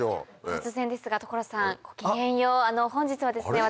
突然ですが所さんごきげんよう本日はですね